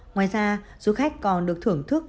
ngoài ra du khách còn được thưởng thức